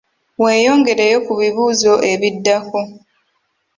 Weeyongereyo ku bibuuzo ebiddako.